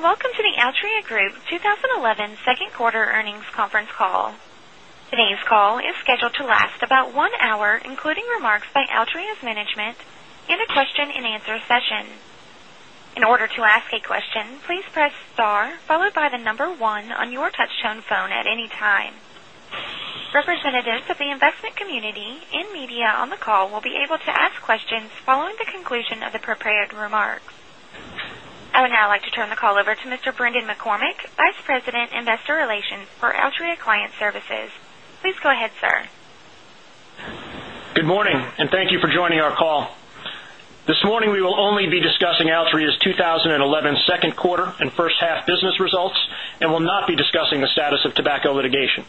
Welcome to the Altria Group 2011 Second Quarter Earnings Conference Call. Today's call is scheduled to last about one hour, including remarks by Altria's management and a question and answer session. In order to ask a question, please press star followed by the number one on your touch-tone phone at any time. Representatives of the investment community and media on the call will be able to ask questions following the conclusion of the prepared remarks. I would now like to turn the call over to Mr. Brendan McCormick, Vice President, Investor Relations for Altria Client Services. Please go ahead, sir. Good morning, and thank you for joining our call. This morning, we will only be discussing Altria's 2011 second quarter and first half business results and will not be discussing the status of tobacco litigation.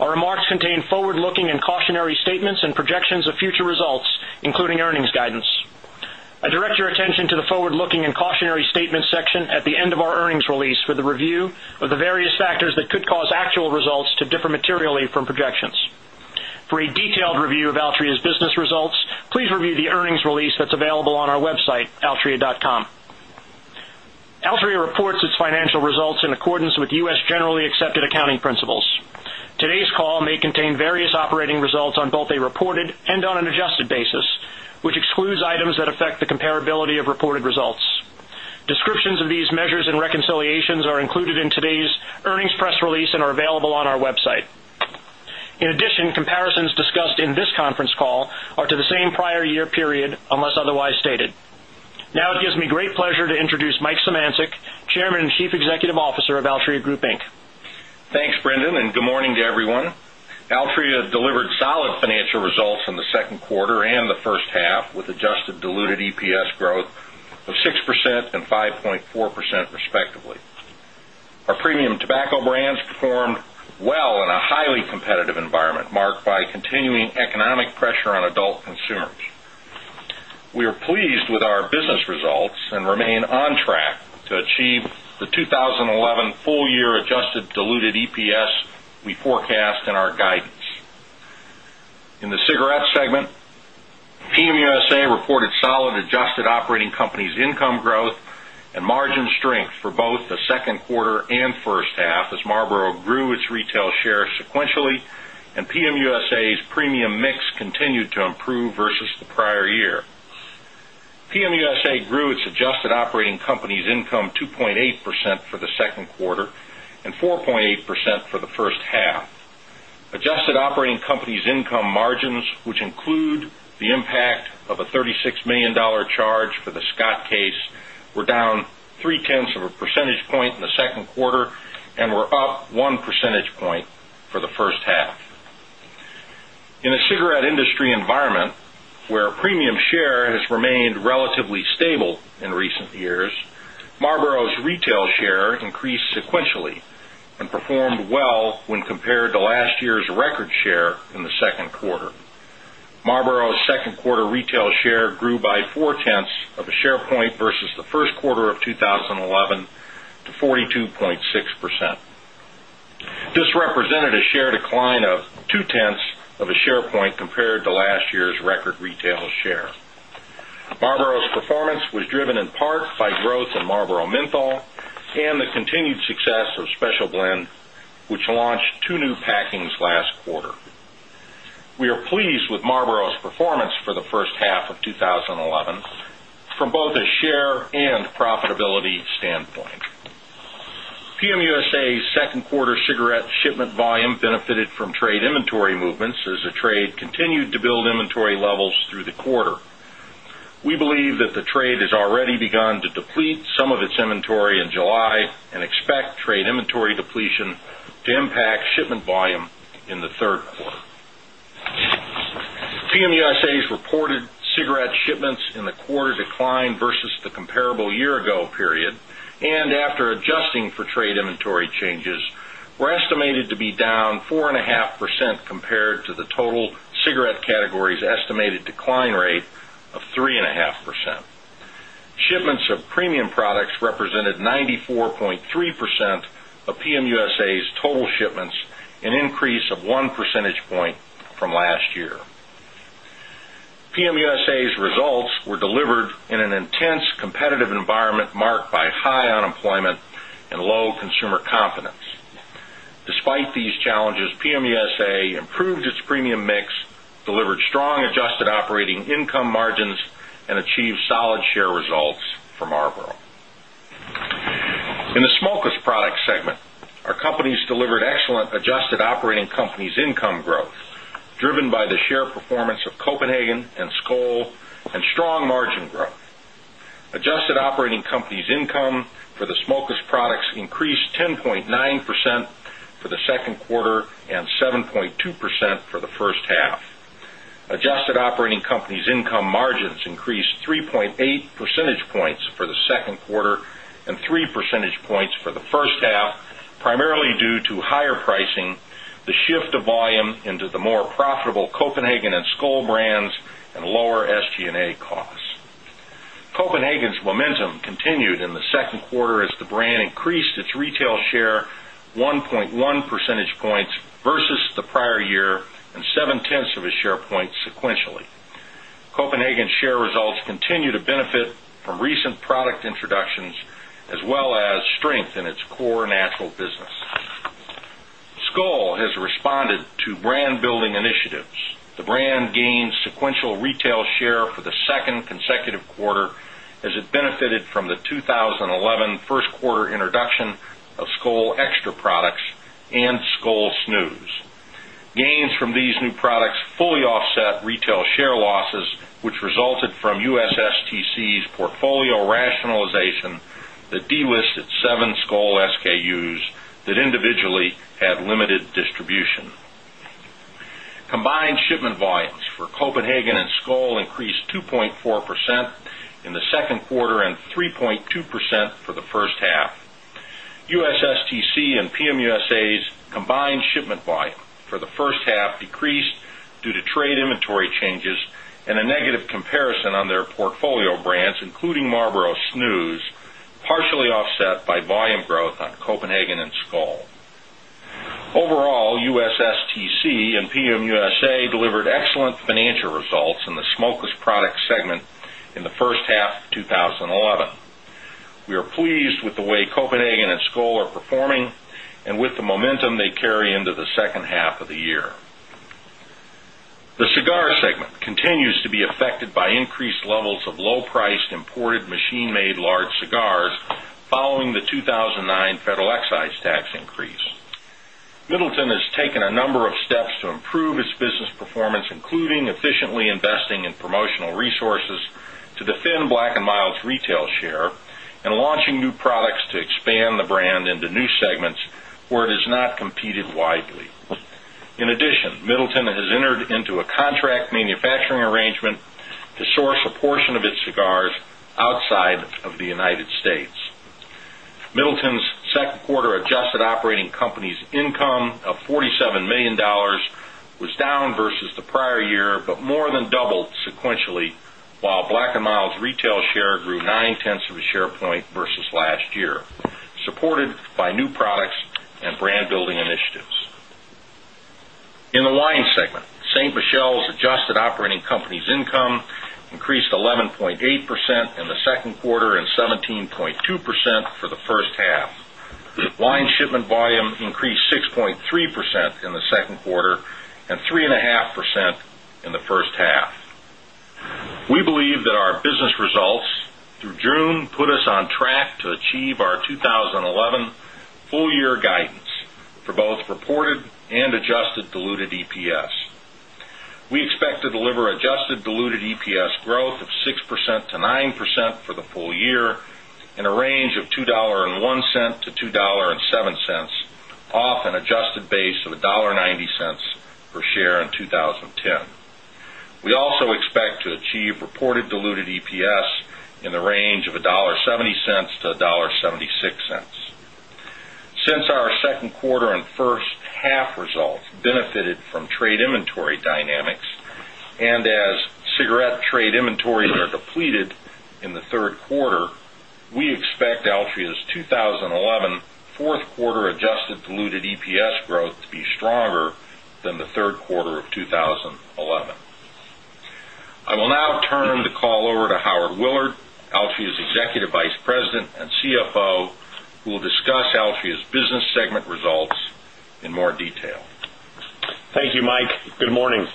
Our remarks contain forward-looking and cautionary statements and projections of future results, including earnings guidance. I direct your attention to the forward-looking and cautionary statements section at the end of our earnings release for the review of the various factors that could cause actual results to differ materially from projections. For a detailed review of Altria's business results, please review the earnings release that's available on our website, altria.com. Altria reports its financial results in accordance with U.S. generally accepted accounting principles. Today's call may contain various operating results on both a reported and on an adjusted basis, which excludes items that affect the comparability of reported results. Descriptions of these measures and reconciliations are included in today's earnings press release and are available on our website. In addition, comparisons discussed in this conference call are to the same prior year period unless otherwise stated. Now, it gives me great pleasure to introduce Michael Szymanczyk, Chairman and Chief Executive Officer of Altria Group, Inc. Thanks, Brendan, and good morning to everyone. Altria delivered solid financial results in the second quarter and the first half with adjusted diluted EPS growth of 6% and 5.4%, respectively. Our premium tobacco brands performed well in a highly competitive environment marked by continuing economic pressure on adult consumers. We are pleased with our business results and remain on track to achieve the 2011 full-year adjusted diluted EPS we forecast in our guidance. In the cigarette segment, PM USA reported solid adjusted operating company's income growth and margin strength for both the second quarter and first half as Marlboro grew its retail shares sequentially, and PM USA's premium mix continued to improve versus the prior year. PM USA grew its adjusted operating company's income 2.8% for the second quarter and 4.8% for the first half. Adjusted operating company's income margins, which include the impact of a $36 million charge for the Scott case, were down 0.3 of a percentage point in the second quarter and were up 1 percentage point for the first half. In a cigarette industry environment where a premium share has remained relatively stable in recent years, Marlboro's retail share increased sequentially and performed well when compared to last year's record share in the second quarter. Marlboro's second quarter retail share grew by 0.4 of a share point versus the first quarter of 2011 to 42.6%. This represented a share decline of 0.2 of a share point compared to last year's record retail share. Marlboro's performance was driven in part by growth in Marlboro menthol and the continued success of Special Blend, which launched two new packings last quarter. We are pleased with Marlboro's performance for the first half of 2011 from both a share and profitability standpoint. PM USA's second quarter cigarette shipment volume benefited from trade inventory movements as the trade continued to build inventory levels through the quarter. We believe that the trade has already begun to deplete some of its inventory in July and expect trade inventory depletion to impact shipment volume in the third quarter. PM USA's reported cigarette shipments in the quarter declined versus the comparable year-ago period and, after adjusting for trade inventory changes, were estimated to be down 4.5% compared to the total cigarette category's estimated decline rate of 3.5%. Shipments of premium products represented 94.3% of PM USA's total shipments, an increase of 1 percentage point from last year. PM USA's results were delivered in an intense competitive environment marked by high unemployment and low consumer confidence. Despite these challenges, PM USA improved its premium mix, delivered strong adjusted operating income margins, and achieved solid share results for Marlboro. In the smokeless products segment, our companies delivered excellent adjusted operating company's income growth, driven by the share performance of Copenhagen and Skoal and strong margin growth. Adjusted operating company's income for the smokeless products increased 10.9% for the second quarter and 7.2% for the first half. Adjusted operating company's income margins increased 3.8 percentage points for the second quarter and 3 percentage points for the first half, primarily due to higher pricing, the shift of volume into the more profitable Copenhagen and Skoal brands, and lower SG&A costs. Copenhagen's momentum continued in the second quarter as the brand increased its retail share 1.1 percentage points versus the prior year and 0.7 of a share point sequentially. Copenhagen's share results continue to benefit from recent product introductions as well as strength in its core natural business. Skoal has responded to brand-building initiatives. The brand gained sequential retail share for the second consecutive quarter as it benefited from the 2011 first-quarter introduction of Skoal X-Tra products and Skoal snus. Gains from these new products fully offset retail share losses, which resulted from U.S. STC's portfolio rationalization that delisted seven Skoal SKUs that individually had limited distribution. Combined shipment volumes for Copenhagen and Skoal increased 2.4% in the second quarter and 3.2% for the first half. U.S. STC and PM USA's combined shipment volume for the first half decreased due to trade inventory changes and a negative comparison on their portfolio brands, including Marlboro snus, partially offset by volume growth on Copenhagen and Skoal. Overall, U.S. STC and PM USA delivered excellent financial results in the smokeless products segment in the first half of 2011. We are pleased with the way Copenhagen and Skoal are performing and with the momentum they carry into the second half of the year. The cigar segment continues to be affected by increased levels of low-priced imported machine-made large cigars following the 2009 federal excise tax increase. Middleton has taken a number of steps to improve its business performance, including efficiently investing in promotional resources to defend Black & Mild's retail share and launching new products to expand the brand into new segments where it has not competed widely. In addition, Middleton has entered into a contract manufacturing arrangement to source a portion of its cigars outside of the United States. Middleton's second quarter adjusted operating company's income of $47 million was down versus the prior year, but more than doubled sequentially, while Black & Mild's retail share grew 0.9 of a share point versus last year, supported by new products and brand-building initiatives. In the wine segment, Ste. Michelle's adjusted operating company's income increased 11.8% in the second quarter and 17.2% for the first half. Wine shipment volume increased 6.3% in the second quarter and 3.5% in the first half. We believe that our business results through June put us on track to achieve our 2011 full-year guidance for both reported and adjusted diluted EPS. We expect to deliver adjusted diluted EPS growth of 6%-9% for the full year in a range of $2.01-$2.07, off an adjusted base of $1.90 per share in 2010. We also expect to achieve reported diluted EPS in the range of $1.70-$1.76. Since our second quarter and first half results benefited from trade inventory dynamics and as cigarette trade inventories are depleted in the third quarter, we expect Altria's 2011 fourth quarter adjusted diluted EPS growth to be stronger than the third quarter of 2011. I will now turn the call over to Howard Willard, Altria's Executive Vice President and CFO, who will discuss Altria's business segment results in more detail. Thank you, Mike. Good morning.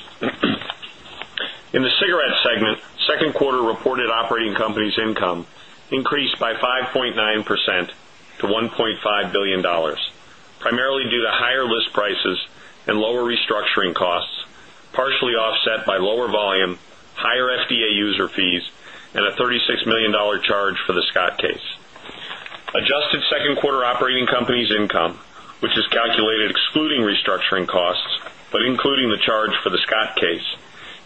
In the cigarette segment, second quarter reported operating company's income increased by 5.9% to $1.5 billion, primarily due to higher list prices and lower restructuring costs, partially offset by lower volume, higher FDA user fees, and a $36 million charge for the Scott case. Adjusted second quarter operating company's income, which is calculated excluding restructuring costs but including the charge for the Scott case,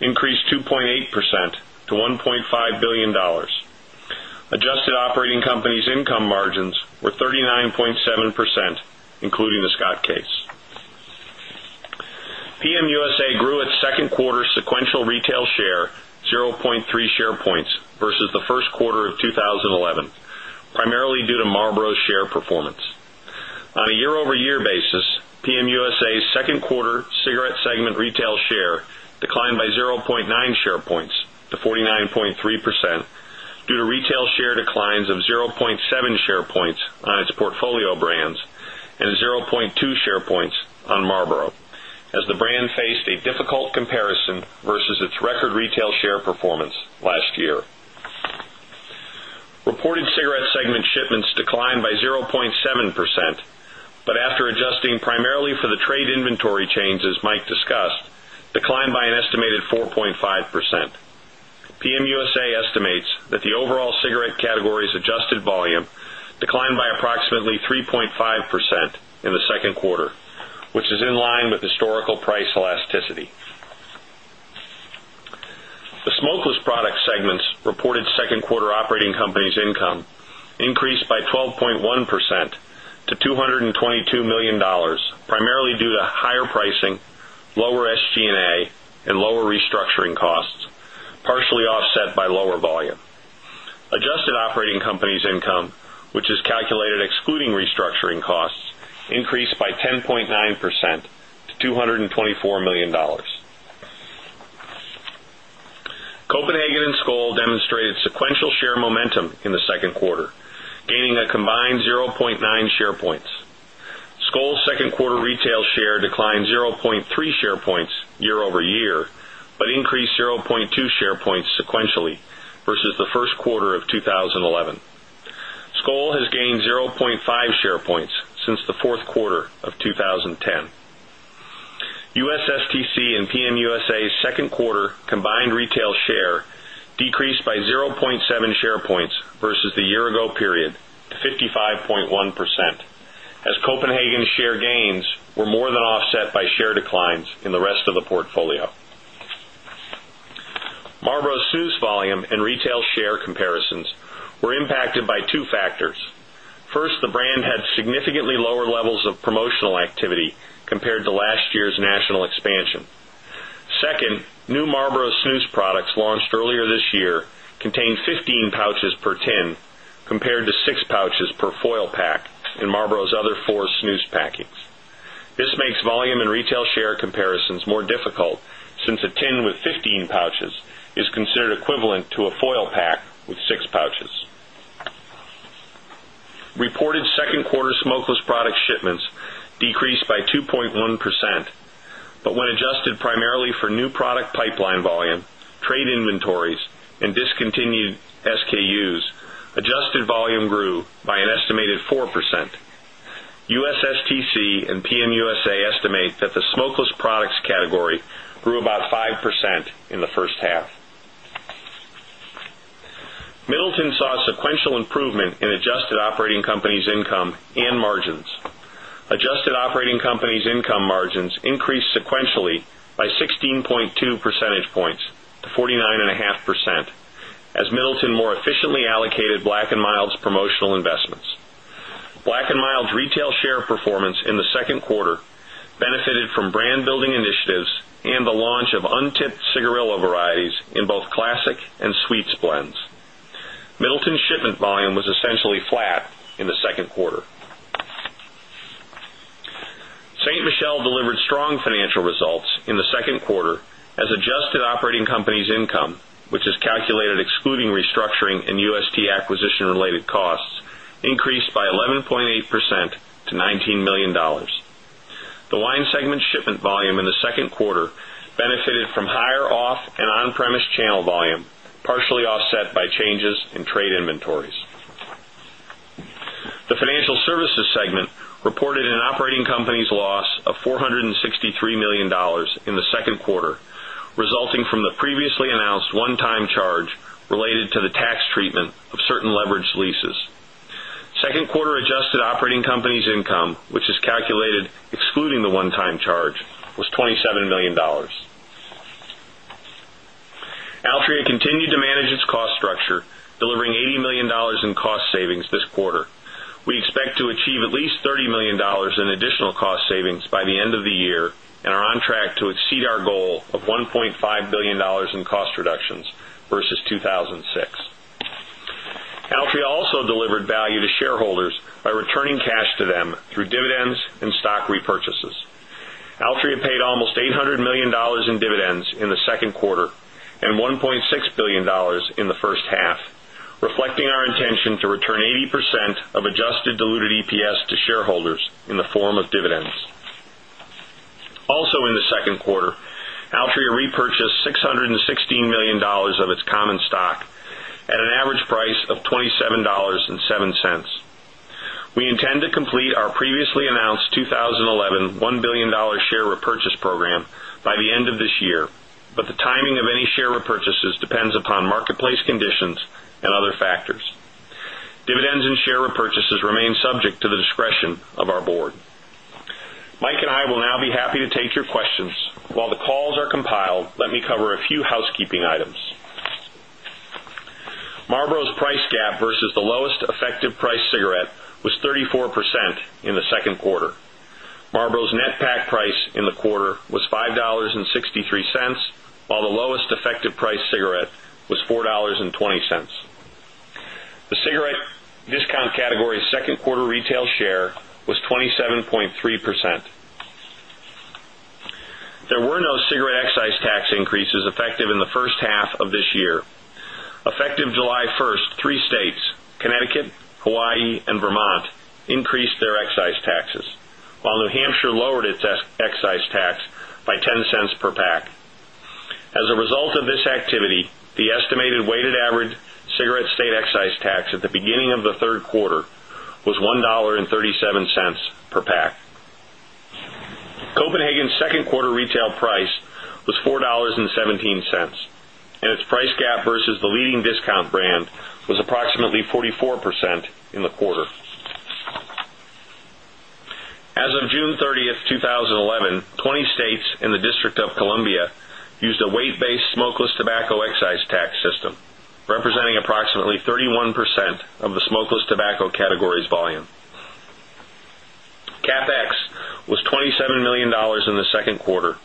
increased 2.8% to $1.5 billion. Adjusted operating company's income margins were 39.7%, including the Scott case. PM USA grew its second quarter sequential retail share 0.3 share points versus the first quarter of 2011, primarily due to Marlboro's share performance. On a year-over-year basis, PM USA's second quarter cigarette segment retail share declined by 0.9 share points to 49.3% due to retail share declines of 0.7 share points on its portfolio brands and 0.2 share points on Marlboro, as the brand faced a difficult comparison versus its record retail share performance last year. Reported cigarette segment shipments declined by 0.7%, but after adjusting primarily for the trade inventory changes Mike discussed, declined by an estimated 4.5%. PM USA estimates that the overall cigarette category's adjusted volume declined by approximately 3.5% in the second quarter, which is in line with historical price elasticity. The smokeless products segment's reported second quarter operating company's income increased by 12.1% to $222 million, primarily due to higher pricing, lower SG&A, and lower restructuring costs, partially offset by lower volume. Adjusted operating company's income, which is calculated excluding restructuring costs, increased by 10.9% to $224 million. Copenhagen and Skoal demonstrated sequential share momentum in the second quarter, gaining a combined 0.9 share points. Skoal's second quarter retail share declined 0.3 share points year-over-year but increased 0.2 share points sequentially versus the first quarter of 2011. Skoal has gained 0.5 share points since the fourth quarter of 2010. U.S. STC and PM USA's second quarter combined retail share decreased by 0.7 share points versus the year-ago period to 55.1%, as Copenhagen's share gains were more than offset by share declines in the rest of the portfolio. Marlboro snus volume and retail share comparisons were impacted by two factors. First, the brand had significantly lower levels of promotional activity compared to last year's national expansion. Second, new Marlboro snus products launched earlier this year contained 15 pouches per tin compared to 6 pouches per foil pack in Marlboro's other four snus packings. This makes volume and retail share comparisons more difficult since a tin with 15 pouches is considered equivalent to a foil pack with 6 pouches. Reported second quarter smokeless product shipments decreased by 2.1%, but when adjusted primarily for new product pipeline volume, trade inventories, and discontinued SKUs, adjusted volume grew by an estimated 4%. U.S. STC and PM USA estimate that the smokeless products category grew about 5% in the first half. Middleton saw a sequential improvement in adjusted operating company's income and margins. Adjusted operating company's income margins increased sequentially by 16.2 percentage points to 49.5%, as Middleton more efficiently allocated Black & Mild's promotional investments. Black & Mild's retail share performance in the second quarter benefited from brand-building initiatives and the launch of untipped cigarillo varieties in both classic and sweets blends. Middleton's shipment volume was essentially flat in the second quarter. Ste. Michelle delivered strong financial results in the second quarter, as adjusted operating company's income, which is calculated excluding restructuring and UST acquisition-related costs, increased by 11.8% to $19 million. The wine segment's shipment volume in the second quarter benefited from higher off and on-premise channel volume, partially offset by changes in trade inventories. The financial services segment reported an operating company's loss of $463 million in the second quarter, resulting from the previously announced one-time charge related to the tax treatment of certain leveraged leases. Second quarter adjusted operating company's income, which is calculated excluding the one-time charge, was $27 million. Altria continued to manage its cost structure, delivering $80 million in cost savings this quarter. We expect to achieve at least $30 million in additional cost savings by the end of the year and are on track to exceed our goal of $1.5 billion in cost reductions versus 2006. Altria Group also delivered value to shareholders by returning cash to them through dividends and stock repurchases. Altria paid almost $800 million in dividends in the second quarter and $1.6 billion in the first half, reflecting our intention to return 80% of adjusted diluted EPS to shareholders in the form of dividends. Also in the second quarter, Altria repurchased $616 million of its common stock at an average price of $27.07. We intend to complete our previously announced 2011 $1 billion share repurchase program by the end of this year, but the timing of any share repurchases depends upon marketplace conditions and other factors. Dividends and share repurchases remain subject to the discretion of our board. Mike and I will now be happy to take your questions. While the calls are compiled, let me cover a few housekeeping items. Marlboro's price gap versus the lowest effective price cigarette was 34% in the second quarter. Marlboro's net pack price in the quarter was $5.63, while the lowest effective price cigarette was $4.20. The cigarette discount category's second quarter retail share was 27.3%. There were no cigarette excise tax increases effective in the first half of this year. Effective July 1st, three states, Connecticut, Hawaii, and Vermont, increased their excise taxes, while New Hampshire lowered its excise tax by $0.10 per pack. As a result of this activity, the estimated weighted average cigarette state excise tax at the beginning of the third quarter was $1.37 per pack. Copenhagen's second quarter retail price was $4.17, and its price gap versus the leading discount brand was approximately 44% in the quarter. As of June 30th, 2011, 20 states and the District of Columbia used a weight-based smokeless tobacco excise tax system, representing approximately 31% of the smokeless tobacco category's volume. CapEx was $27 million in the second quarter,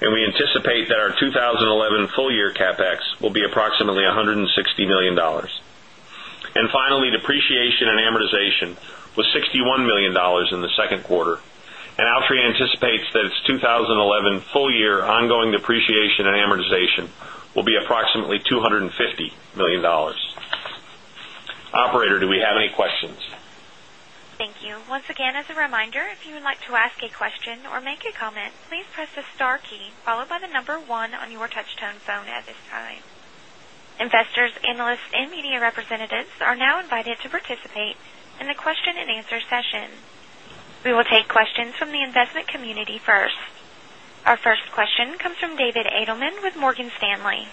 and we anticipate that our 2011 full-year CapEx will be approximately $160 million. Finally, depreciation and amortization was $61 million in the second quarter, and Altria anticipates that its 2011 full-year ongoing depreciation and amortization will be approximately $250 million. Operator, do we have any questions? Thank you. Once again, as a reminder, if you would like to ask a question or make a comment, please press the star key followed by the number one on your touch-tone phone at this time. Investors, analysts, and media representatives are now invited to participate in the question and answer session. We will take questions from the investment community first. Our first question comes from David Adelman with Morgan Stanley.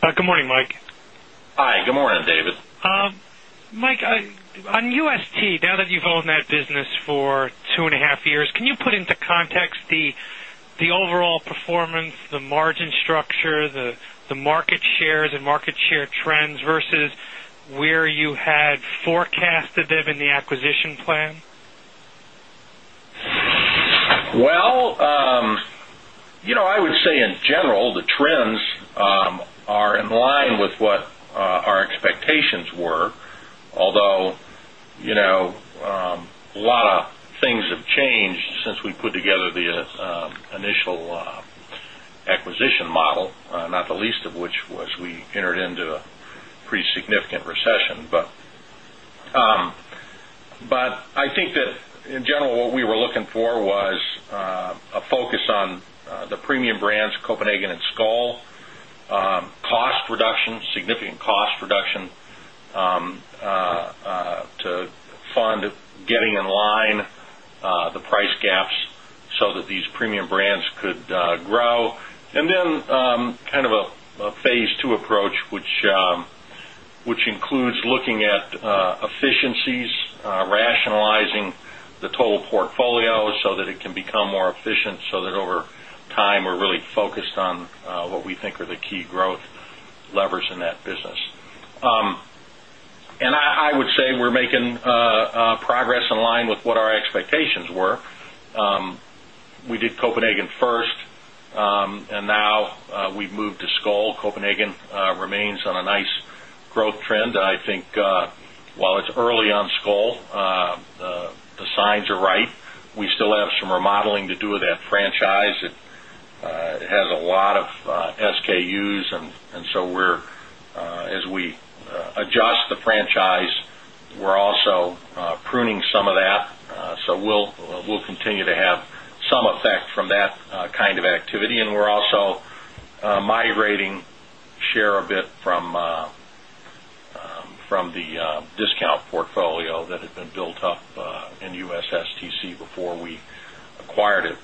Good morning, Mike. Hi. Good morning, David. Mike, on UST, now that you've owned that business for two and a half years, can you put into context the overall performance, the margin structure, the market shares, and market share trends versus where you had forecasted them in the acquisition plan? I would say, in general, the trends are in line with what our expectations were, although a lot of things have changed since we put together the initial acquisition model, not the least of which was we entered into a pretty significant recession. I think that, in general, what we were looking for was a focus on the premium brands, Copenhagen and Skoal, cost reduction, significant cost reduction to fund getting in line the price gaps so that these premium brands could grow. Then kind of a phase two approach, which includes looking at efficiencies, rationalizing the total portfolio so that it can become more efficient, so that over time we're really focused on what we think are the key growth levers in that business. I would say we're making progress in line with what our expectations were. We did Copenhagen first, and now we've moved to Skoal. Copenhagen remains on a nice growth trend. I think while it's early on Skoal, the signs are right. We still have some remodeling to do with that franchise. It has a lot of SKUs, and as we adjust the franchise, we're also pruning some of that. We'll continue to have some effect from that kind of activity. We're also migrating share a bit from the discount portfolio that had been built up in U.S. STC before we acquired it.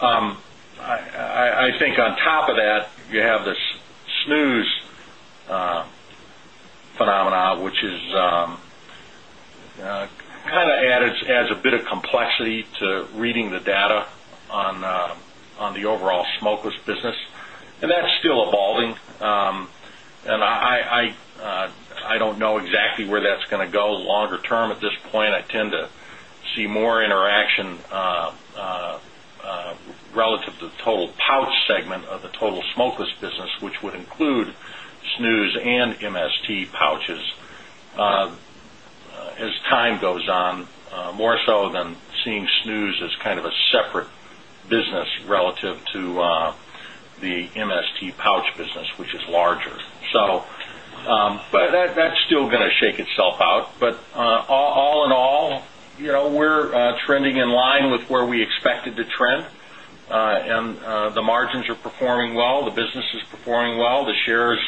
I think on top of that, you have this snus phenomenon, which adds a bit of complexity to reading the data on the overall smokeless business. That's still evolving. I don't know exactly where that's going to go longer term at this point. I tend to see more interaction relative to the total pouch segment of the total smokeless business, which would include snus and MST pouches, as time goes on, more so than seeing snus as a separate business relative to the MST pouch business, which is larger. That's still going to shake itself out. All in all, we're trending in line with where we expected to trend. The margins are performing well. The business is performing well. The shares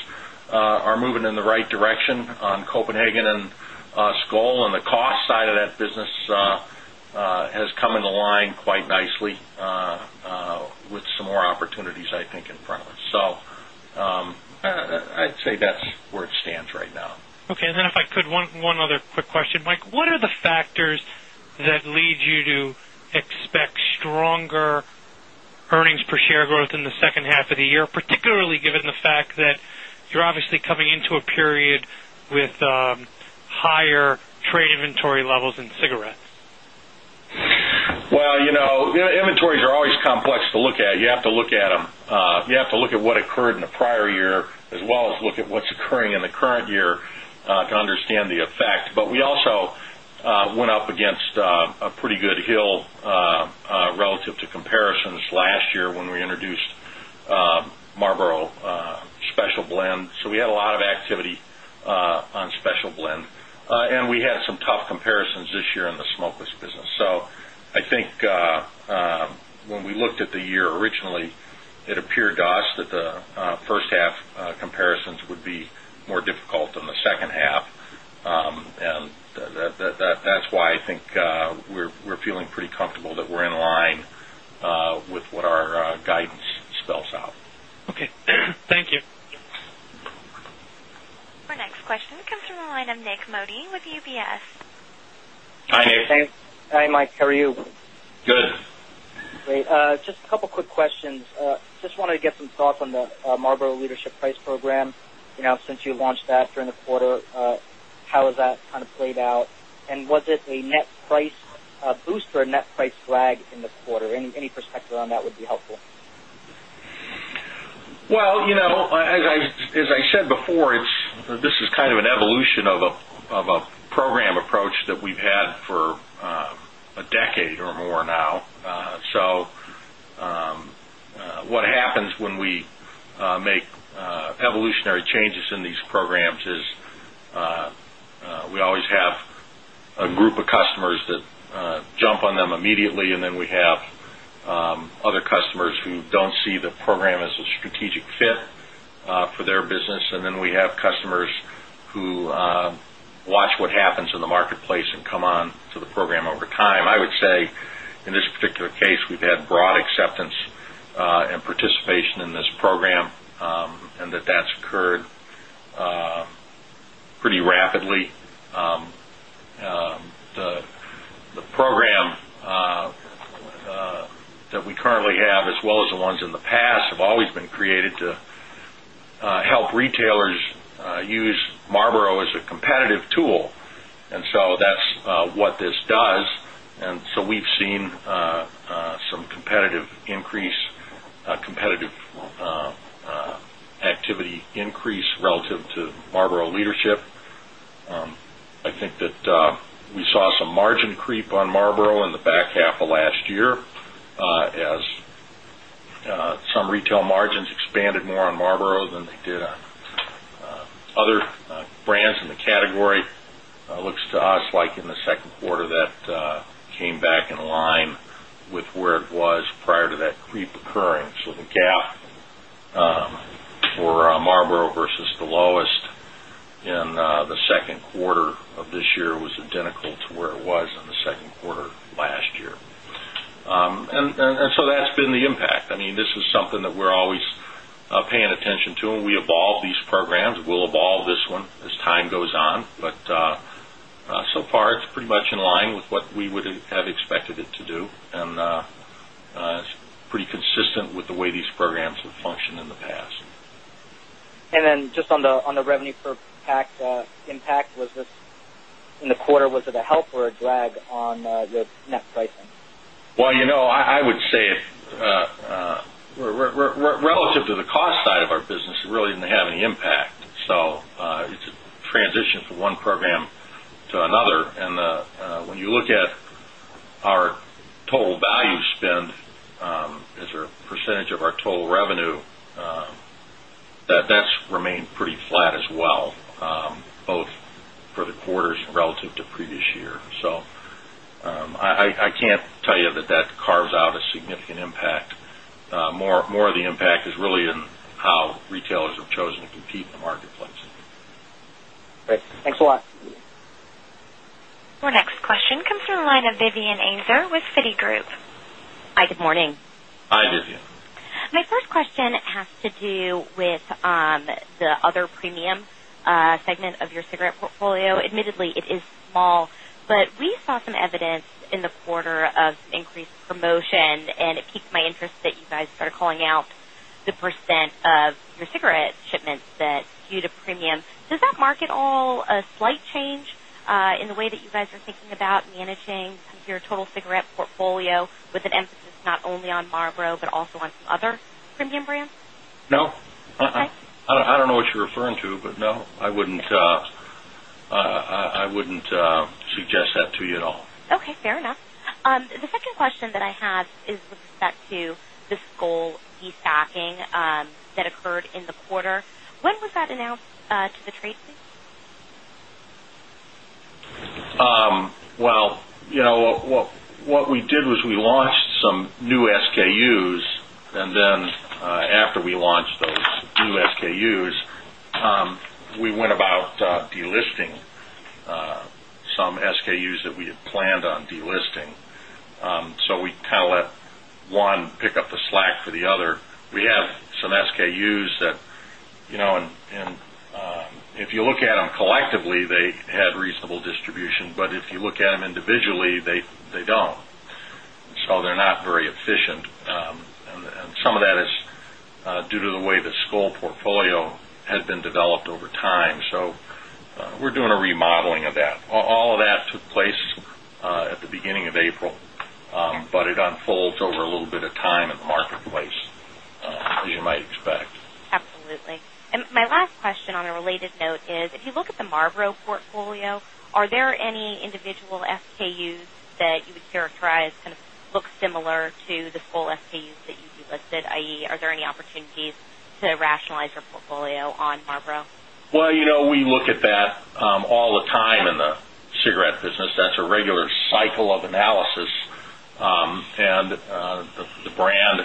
are moving in the right direction on Copenhagen and Skoal. The cost side of that business has come into line quite nicely with some more opportunities, I think, in front of us. I'd say that's where it stands right now. Okay. If I could, one other quick question, Mike. What are the factors that lead you to expect stronger earnings per share growth in the second half of the year, particularly given the fact that you're obviously coming into a period with higher trade inventory levels in cigarettes? Inventories are always complex to look at. You have to look at them, you have to look at what occurred in the prior year as well as look at what's occurring in the current year to understand the effect. We also went up against a pretty good hill relative to comparisons last year when we introduced Marlboro Special Blend. We had a lot of activity on Special Blend, and we had some tough comparisons this year in the smokeless business. I think when we looked at the year originally, it appeared to us that the first half comparisons would be more difficult than the second half. That's why I think we're feeling pretty comfortable that we're in line with what our guidance spells out. Okay, thank you. Our next question comes from a line of Nik Modi with UBS. Hi, Nik. Hi, Mike. How are you? Good. Great. Just a couple of quick questions. I just want to get some thoughts on the Marlboro Leadership Price Program. Since you launched that during the quarter, how has that kind of played out? Was it a net price boost or a net price drag in this quarter? Any perspective on that would be helpful. As I said before, this is kind of an evolution of a program approach that we've had for a decade or more now. What happens when we make evolutionary changes in these programs is we always have a group of customers that jump on them immediately, and then we have other customers who don't see the program as a strategic fit for their business. Then we have customers who watch what happens in the marketplace and come on to the program over time. I would say, in this particular case, we've had broad acceptance and participation in this program and that's occurred pretty rapidly. The program that we currently have, as well as the ones in the past, have always been created to help retailers use Marlboro as a competitive tool. That's what this does. We've seen some competitive activity increase relative to Marlboro Leadership. I think that we saw some margin creep on Marlboro in the back half of last year as some retail margins expanded more on Marlboro than they did on other brands in the category. It looks to us like in the second quarter that came back in line with where it was prior to that creep occurring. The gap for Marlboro versus the lowest in the second quarter of this year was identical to where it was in the second quarter last year. That's been the impact. This is something that we're always paying attention to, and we evolve these programs. We'll evolve this one as time goes on. So far, it's pretty much in line with what we would have expected it to do, and it's pretty consistent with the way these programs have functioned in the past. On the revenue for excise tax, was this in the quarter a help or a drag on the net pricing? I would say, relative to the cost side of our business, it really didn't have any impact. It is a transition from one program to another. When you look at our total value spend as a percentage of our total revenue, that's remained pretty flat as well, both for the quarters relative to the previous year. I can't tell you that that carves out a significant impact. More of the impact is really in how retailers have chosen to compete in the marketplace. Thanks a lot. Our next question comes from a line of Vivian Azer with Citigroup. Hi, good morning. Hi, Vivian. My first question has to do with the other premium segment of your cigarette portfolio. Admittedly, it is small, but we saw some evidence in the quarter of increased promotion, and it piqued my interest that you guys started calling out the percent of your cigarette shipments that skewed a premium. Does that mark at all a slight change in the way that you guys are thinking about managing your total cigarette portfolio with an emphasis not only on Marlboro but also on some other premium brands? No. Okay. I don't know what you're referring to, but no, I wouldn't suggest that to you at all. Okay. Fair enough. The second question that I have is with respect to the Skoal destacking that occurred in the quarter. When was that announced to the trade scene? What we did was we launched some new SKUs, and then after we launched those new SKUs, we went about delisting some SKUs that we had planned on delisting. We let one pick up the slack for the other. We have some SKUs that if you look at them collectively, they had reasonable distribution, but if you look at them individually, they don't. They're not very efficient. Some of that is due to the way the Skoal portfolio had been developed over time. We're doing a remodeling of that. All of that took place at the beginning of April, but it unfolds over a little bit of time in the marketplace, as you might expect. Absolutely. My last question on a related note is, if you look at the Marlboro portfolio, are there any individual SKUs that you would characterize kind of look similar to the Skoal SKUs that you delisted, i.e., are there any opportunities to rationalize your portfolio on Marlboro? You know we look at that all the time in the cigarette business. That's a regular cycle of analysis. The brand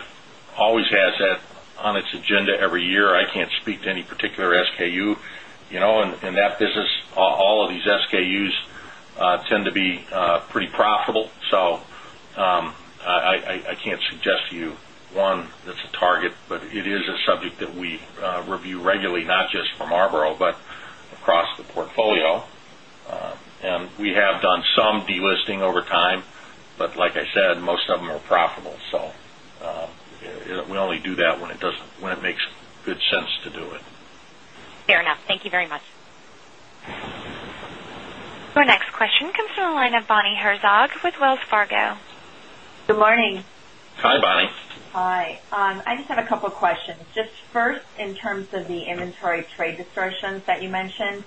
always has that on its agenda every year. I can't speak to any particular SKU. In that business, all of these SKUs tend to be pretty profitable. I can't suggest to you one that's a target, but it is a subject that we review regularly, not just for Marlboro but across the portfolio. We have done some delisting over time, but like I said, most of them are profitable. We only do that when it makes good sense to do it. Fair enough. Thank you very much. Our next question comes from a line of Bonnie Herzog with Wells Fargo. Good morning. Hi, Bonnie. Hi. I just have a couple of questions. First, in terms of the trade inventory distortions that you mentioned,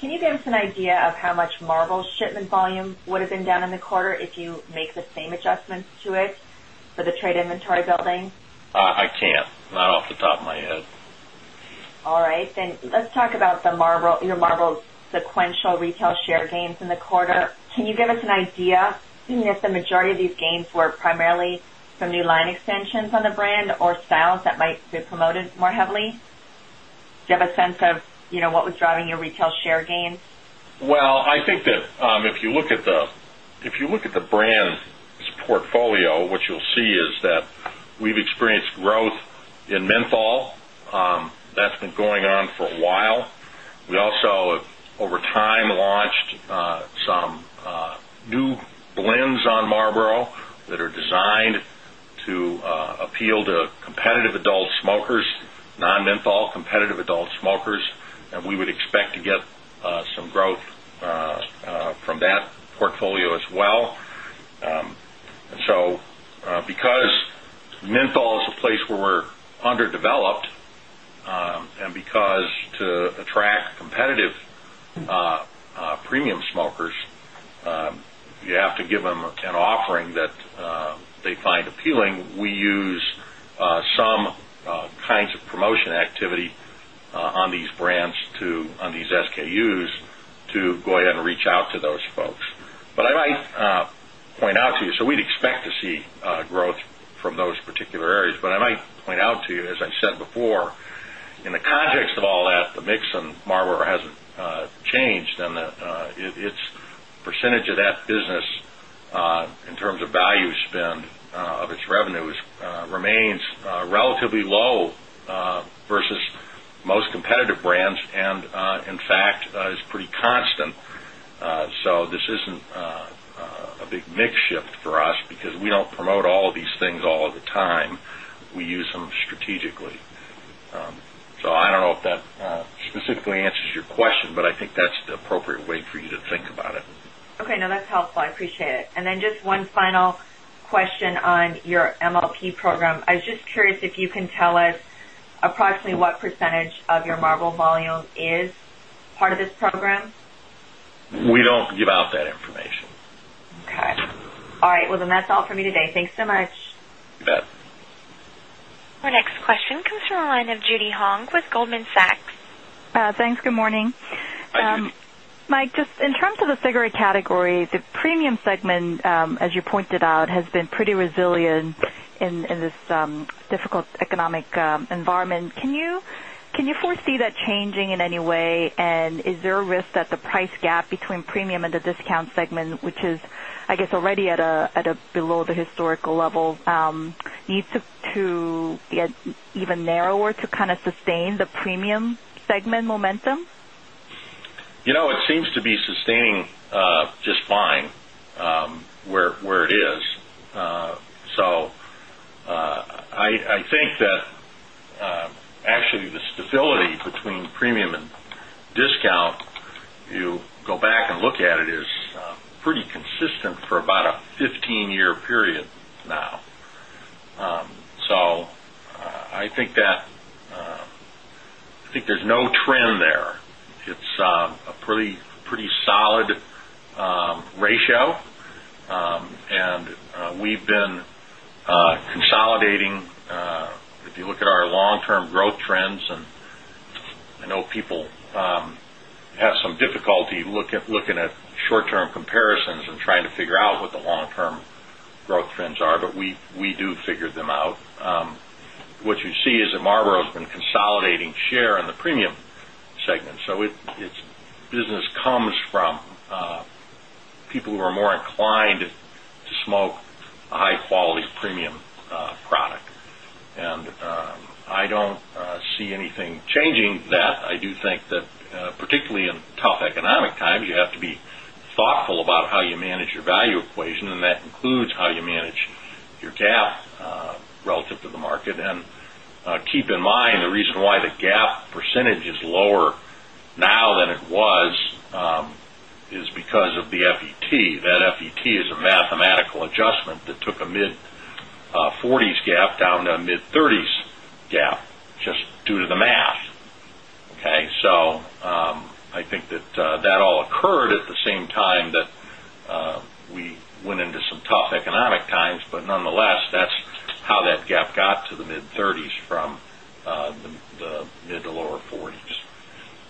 can you give us an idea of how much Marlboro's shipment volume would have been down in the quarter if you make the same adjustments to it for the trade inventory building? I can't. Not off the top of my head. All right. Let's talk about your Marlboro sequential retail share gains in the quarter. Can you give us an idea if the majority of these gains were primarily from new line extensions on the brand or styles that might be promoted more heavily? Do you have a sense of what was driving your retail share gain? I think that if you look at the brand's portfolio, what you'll see is that we've experienced growth in menthol. That's been going on for a while. We also, over time, launched some new blends on Marlboro that are designed to appeal to competitive adult smokers, non-menthol competitive adult smokers, and we would expect to get some growth from that portfolio as well. Because menthol is a place where we're underdeveloped and because to attract competitive premium smokers, you have to give them an offering that they find appealing, we use some kinds of promotion activity on these brands, on these SKUs, to go ahead and reach out to those folks. I might point out to you, we'd expect to see growth from those particular areas. I might point out to you, as I said before, in the context of all that, the mix in Marlboro hasn't changed, and its percentage of that business in terms of value spend of its revenues remains relatively low versus most competitive brands. In fact, it's pretty constant. This isn't a big mix shift for us because we don't promote all of these things all of the time. We use them strategically. I don't know if that specifically answers your question, but I think that's the appropriate way for you to think about it. Okay. No, that's helpful. I appreciate it. Just one final question on your MLP Program. I was just curious if you can tell us approximately what percentage of your Marlboro volume is part of this program. We don't give out that information. All right. That's all for me today. Thanks so much. You bet. Our next question comes from a line of Judy Hong with Goldman Sachs. Thanks. Good morning. Mike, just in terms of the cigarette category, the premium segment, as you pointed out, has been pretty resilient in this difficult economic environment. Can you foresee that changing in any way? Is there a risk that the price gap between premium and the discount segment, which is, I guess, already at below the historical level, needs to be even narrower to kind of sustain the premium segment momentum? It seems to be sustaining just fine where it is. I think that actually the stability between premium and discount, you go back and look at it, is pretty consistent for about a 15-year period now. I think there's no trend there. It's a pretty solid ratio. We've been consolidating. If you look at our long-term growth trends, and I know people have some difficulty looking at short-term comparisons and trying to figure out what the long-term growth trends are, but we do figure them out. What you see is that Marlboro has been consolidating share in the premium segment. Its business comes from people who are more inclined to smoke a high-quality premium product. I don't see anything changing that. I do think that particularly in tough economic times, you have to be thoughtful about how you manage your value equation, and that includes how you manage your gap relative to the market. Keep in mind, the reason why the gap percentage is lower now than it was is because of the FET. That FET is a mathematical adjustment that took a mid-40s gap down to a mid-30s gap just due to the math. I think that all occurred at the same time that we went into some tough economic times. Nonetheless, that's how that gap got to the mid-30s from the mid to lower 40s.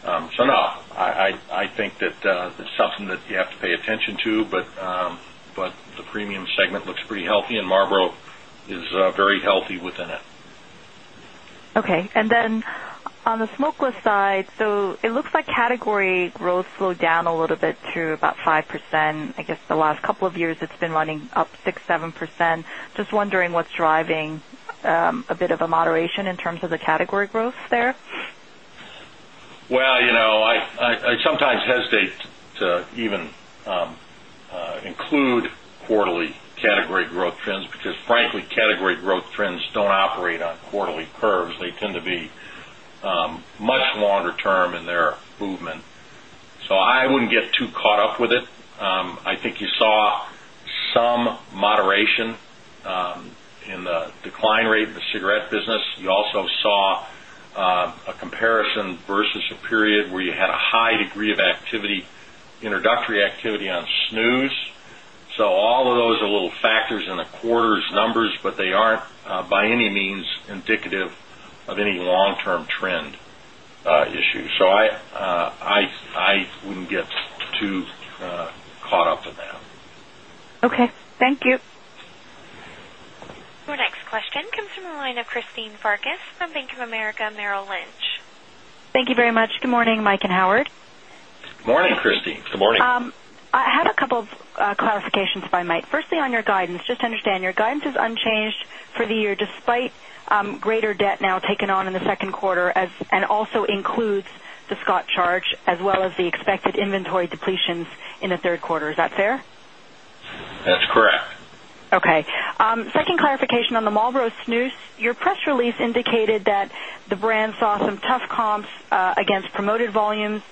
I think that it's something that you have to pay attention to. The premium segment looks pretty healthy, and Marlboro is very healthy within it. Okay. On the smokeless side, it looks like category growth slowed down a little bit to about 5%. The last couple of years, it's been running up 6%, 7%. Just wondering what's driving a bit of a moderation in terms of the category growth there. I sometimes hesitate to even include quarterly category growth trends because, frankly, category growth trends don't operate on quarterly curves. They tend to be much longer term in their movement. I wouldn't get too caught up with it. I think you saw some moderation in the decline rate in the cigarette business. You also saw a comparison versus a period where you had a high degree of introductory activity on snus. All of those are little factors in the quarter's numbers, but they aren't by any means indicative of any long-term trend issue. I wouldn't get too caught up with that. Okay, thank you. Our next question comes from the line of Christine Farkas from Bank of America Merrill Lynch. Thank you very much. Good morning, Mike and Howard. Morning, Christine. Good morning. I have a couple of clarifications by Mike. Firstly, on your guidance, just to understand, your guidance is unchanged for the year despite greater debt now taken on in the second quarter and also includes the Skoal charge as well as the expected inventory depletions in the third quarter. Is that fair? That's correct. Okay. Second clarification on the Marlboro, your press release indicated that the brand saw some tough comps against promoted volumes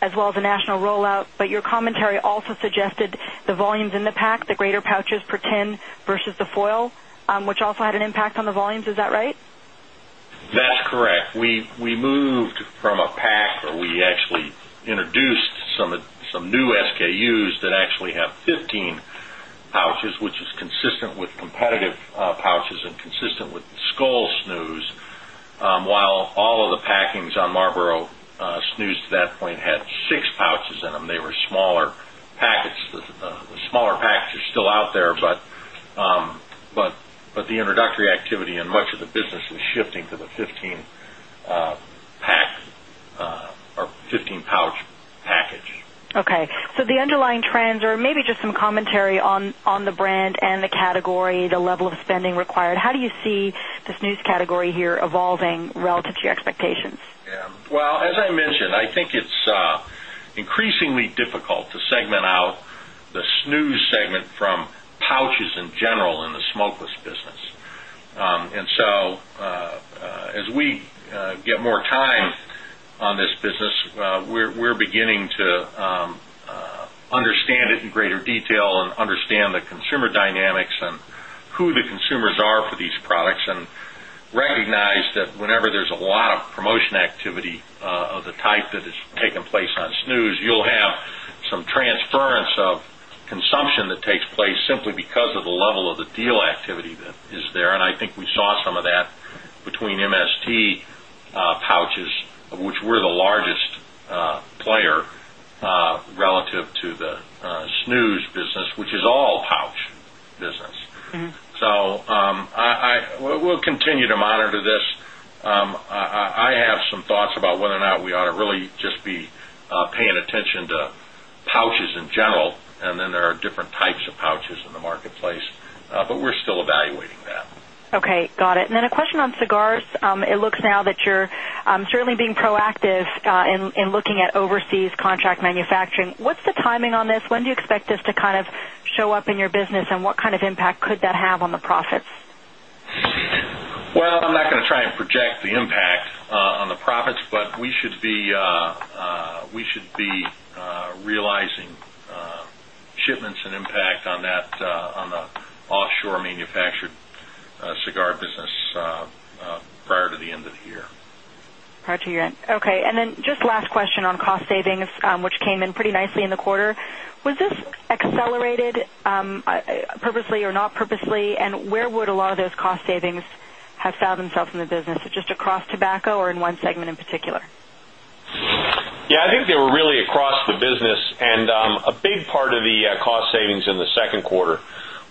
as well as a national rollout. Your commentary also suggested the volumes in the pack, the greater pouches per tin versus the foil, which also had an impact on the volumes. Is that right? That's correct. We moved from a pack, or we actually introduced some new SKUs that actually have 15 pouches, which is consistent with competitive pouches and consistent with the Skoal snus. While all of the packings on Marlboro snus at that point had six pouches in them, they were smaller packets. The smaller packets are still out there, but the introductory activity in much of the business was shifting to the 15-pack or 15-pouch package. Okay. The underlying trends or maybe just some commentary on the brand and the category, the level of spending required. How do you see the smokeless category here evolving relative to your expectations? As I mentioned, I think it's increasingly difficult to segment out the snus segment from pouches in general in the smokeless business. As we get more time on this business, we're beginning to understand it in greater detail and understand the consumer dynamics and who the consumers are for these products and recognize that whenever there's a lot of promotion activity of the type that has taken place on snus, you'll have some transference of consumption that takes place simply because of the level of the deal activity that is there. I think we saw some of that between MST pouches, which were the largest player relative to the snus business, which is all pouch business. We'll continue to monitor this. I have some thoughts about whether or not we ought to really just be paying attention to pouches in general. There are different types of pouches in the marketplace, but we're still evaluating that. Okay. Got it. A question on cigars. It looks now that you're certainly being proactive in looking at overseas contract manufacturing. What's the timing on this? When do you expect this to kind of show up in your business, and what kind of impact could that have on the profits? I'm not going to try and project the impact on the profits, but we should be realizing shipments and impact on the offshore manufactured cigar business prior to the end of the year. Prior to your end. Okay. Just last question on cost savings, which came in pretty nicely in the quarter. Was this accelerated purposely or not purposely? Where would a lot of those cost savings have found themselves in the business? Is it just across tobacco or in one segment in particular? I think they were really across the business. A big part of the cost savings in the second quarter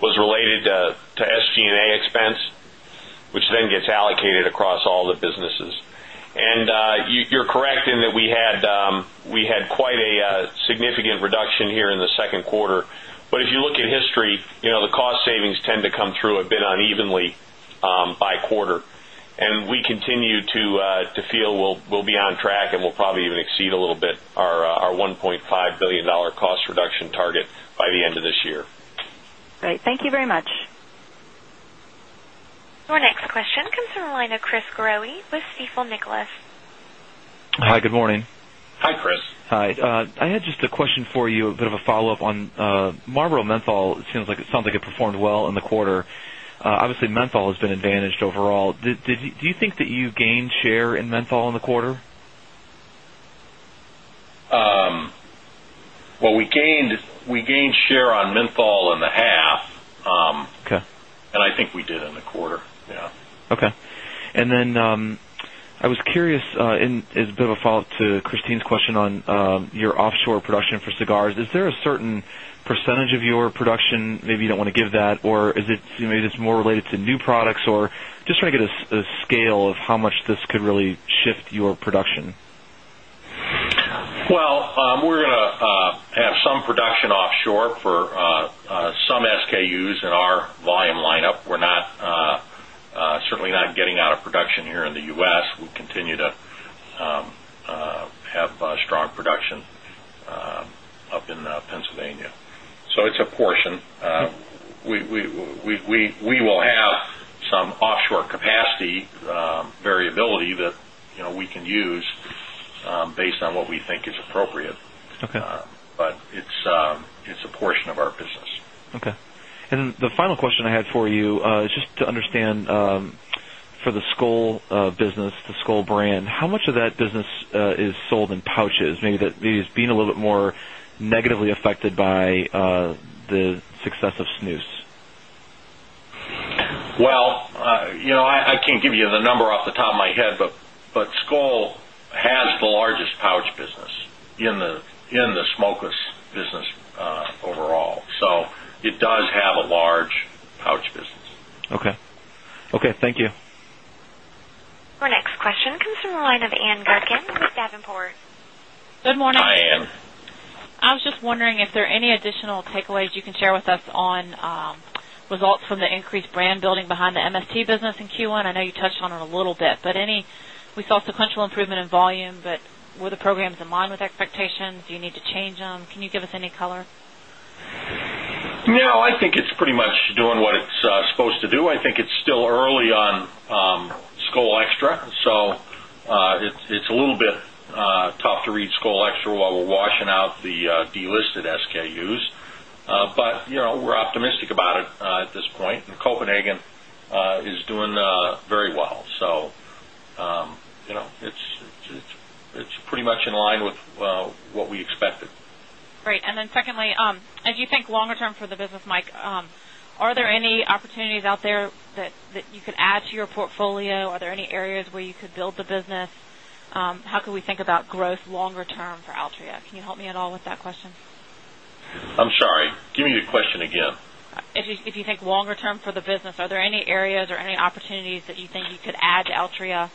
was related to SG&A expense, which then gets allocated across all the businesses. You're correct in that we had quite a significant reduction here in the second quarter. If you look at history, the cost savings tend to come through a bit unevenly by quarter. We continue to feel we'll be on track, and we'll probably even exceed a little bit our $1.5 billion cost reduction target by the end of this year. Great, thank you very much. Our next question comes from a line of Chris Growe with Stifel Nicolaus. Hi. Good morning. Hi, Chris. Hi. I had just a question for you, a bit of a follow-up on Marlboro menthol. It sounds like it performed well in the quarter. Obviously, menthol has been advantaged overall. Do you think that you gained share in menthol in the quarter? We gained share on menthol in the half. Okay. I think we did in the quarter. Yeah. Okay. I was curious, as a bit of a follow-up to Christine's question on your offshore production for cigars, is there a certain percentage of your production? Maybe you don't want to give that, or is it maybe just more related to new products? I'm just trying to get a scale of how much this could really shift your production. We're going to have some production offshore for some SKUs in our volume lineup. We're certainly not getting out of production here in the U.S. We'll continue to have strong production up in Pennsylvania. It's a portion. We will have some offshore capacity variability that we can use based on what we think is appropriate. Okay. It is a portion of our business. Okay. The final question I had for you is just to understand for the Skoal business, the Skoal brand, how much of that business is sold in pouches? Maybe it's been a little bit more negatively affected by the success of snus. I can't give you the number off the top of my head, but Skoal has the largest pouch business in the smokeless business overall. It does have a large pouch business. Okay. Thank you. Our next question comes from a line of Ann Gurkin with Davenport. Good morning. Hi, Ann. I was just wondering if there are any additional takeaways you can share with us on results from the increased brand building behind the MST business in Q1. I know you touched on it a little bit, but we saw sequential improvement in volume. Were the programs in line with expectations? Do you need to change them? Can you give us any color? No. I think it's pretty much doing what it's supposed to do. I think it's still early on Skoal X-Tra, so it's a little bit tough to read Skoal X-Tra while we're washing out the delisted SKUs, but we're optimistic about it at this point. Copenhagen is doing very well. It's pretty much in line with what we expected. Great. Secondly, as you think longer term for the business, Mike, are there any opportunities out there that you could add to your portfolio? Are there any areas where you could build the business? How could we think about growth longer term for Altria? Can you help me at all with that question? I'm sorry. Give me your question again. If you think longer term for the business, are there any areas or any opportunities that you think you could add to Altria?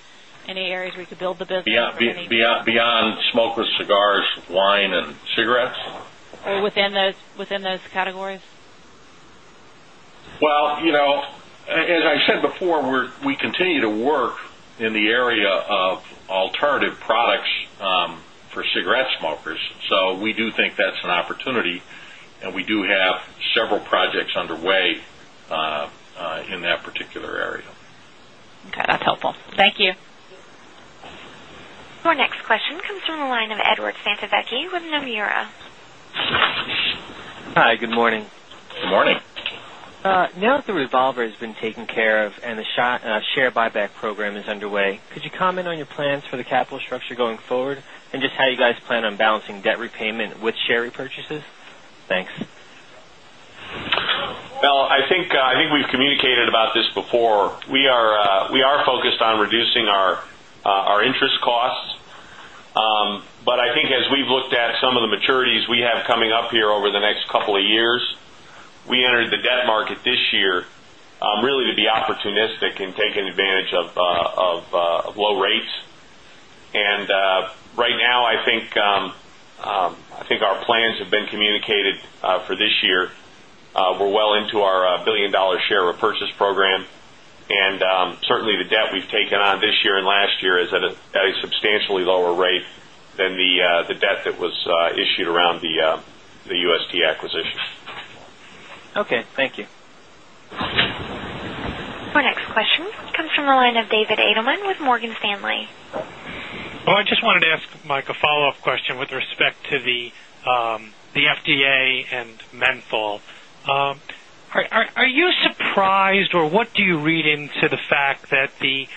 Any areas where you could build the business? Beyond smokeless, cigars, wine, and cigarettes? Within those categories? As I said before, we continue to work in the area of alternative products for cigarette smokers. We do think that's an opportunity, and we do have several projects underway in that particular area. Okay, that's helpful. Thank you. Our next question comes from a line of Edward Santevecchi with Nomura. Hi. Good morning. Good morning. Now that the revolver has been taken care of and the share buyback program is underway, could you comment on your plans for the capital structure going forward and just how you guys plan on balancing debt repayment with share repurchases? Thanks. I think we've communicated about this before. We are focused on reducing our interest costs. As we've looked at some of the maturities we have coming up here over the next couple of years, we entered the debt market this year really to be opportunistic and taking advantage of low rates. Right now, I think our plans have been communicated for this year. We're well into our $1 billion share repurchase program. Certainly, the debt we've taken on this year and last year is at a substantially lower rate than the debt that was issued around the UST acquisition. Okay. Thank you. Our next question comes from a line of David Adelman with Morgan Stanley. Oh, I just wanted to ask, Mike, a follow-up question with respect to the FDA and menthol. Are you surprised, or what do you read into the fact that the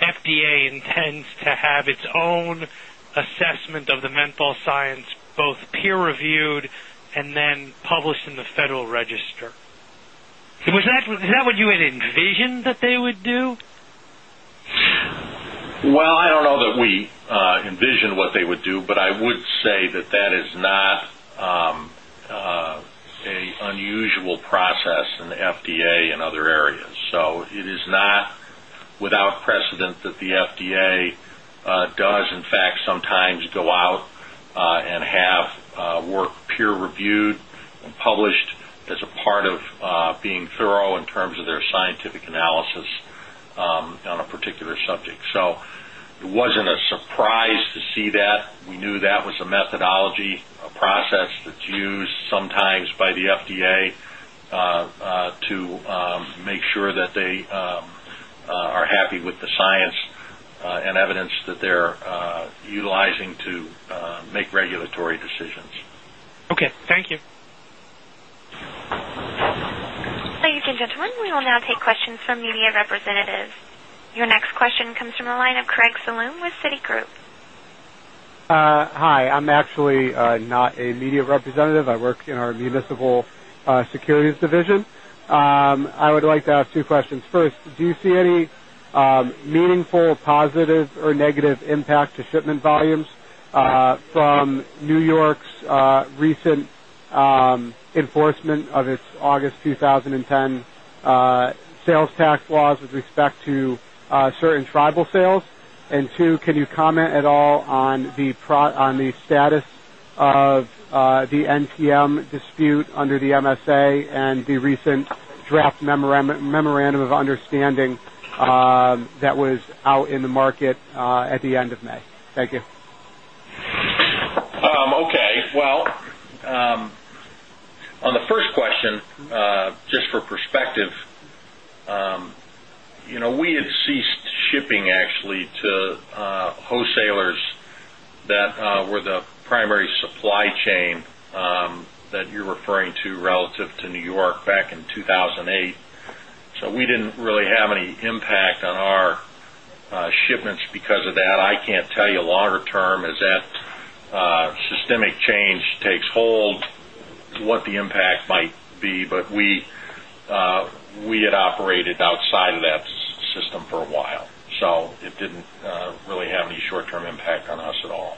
FDA intends to have its own assessment of the menthol science, both peer-reviewed and then published in the Federal Register? Is that what you had envisioned that they would do? I don't know that we envisioned what they would do, but I would say that is not an unusual process in the FDA in other areas. It is not without precedent that the FDA does, in fact, sometimes go out and have work peer-reviewed and published as a part of being thorough in terms of their scientific analysis on a particular subject. It wasn't a surprise to see that. We knew that was a methodology, a process that's used sometimes by the FDA to make sure that they are happy with the science and evidence that they're utilizing to make regulatory decisions. Okay, thank you. Ladies and gentlemen, we will now take questions from media representatives. Your next question comes from a line of [Craig Saleem] with Citigroup. Hi. I'm actually not a media representative. I work in our municipal securities division. I would like to ask two questions. First, do you see any meaningful positive or negative impact to shipment volumes from New York's recent enforcement of its August 2010 sales tax laws with respect to certain tribal sales? Two, can you comment at all on the status of the NTM dispute under the MSA and the recent draft memorandum of understanding that was out in the market at the end of May? Thank you. On the first question, just for perspective, you know we had ceased shipping actually to wholesalers that were the primary supply chain that you're referring to relative to New York back in 2008. We didn't really have any impact on our shipments because of that. I can't tell you longer term as that systemic change takes hold what the impact might be. We had operated outside of that system for a while. It didn't really have any short-term impact on us at all.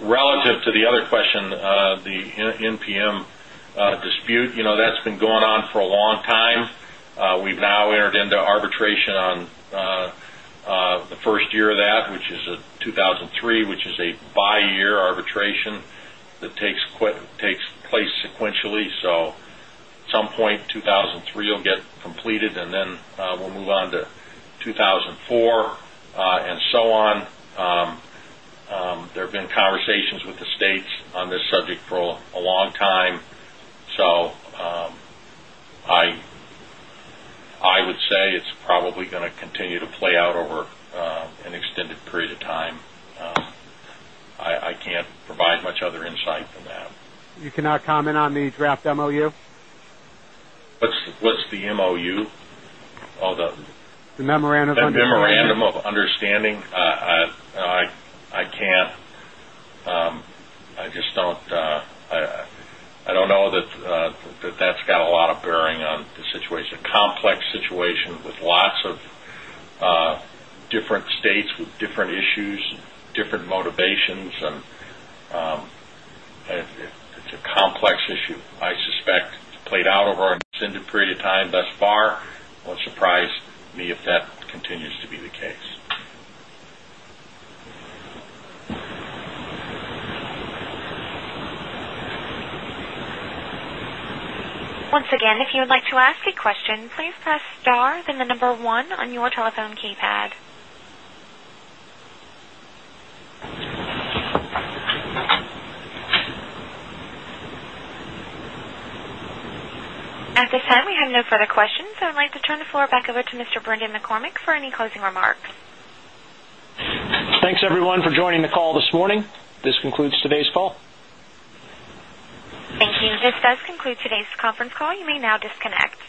Relative to the other question, the NTM dispute, you know that's been going on for a long time. We've now entered into arbitration on the first year of that, which is 2003, which is a buy-year arbitration that takes place sequentially. At some point, 2003, it'll get completed, and then we'll move on to 2004 and so on. There have been conversations with the states on this subject for a long time. I would say it's probably going to continue to play out over an extended period of time. I can't provide much other insight than that. You cannot comment on the draft MOU? What's the MOU? The memorandum of understanding. The memorandum of understanding? I can't. I just don't know that that's got a lot of bearing on the situation. It's a complex situation with lots of different states with different issues, different motivations. It's a complex issue. I suspect it's played out over an extended period of time thus far. It wouldn't surprise me if that continues to be the case. Once again, if you would like to ask a question, please press star then the number one on your telephone keypad. At this time, we have no further questions. I would like to turn the floor back over to Mr. Brendan McCormick for any closing remarks. Thanks, everyone, for joining the call this morning. This concludes today's call. Thank you. This does conclude today's conference call. You may now disconnect.